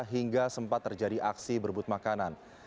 hingga sempat terjadi aksi berbut makanan